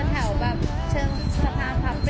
พักอันนี้ว่าสร้างไข่